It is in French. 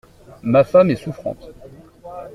Ma femme est souffrante. …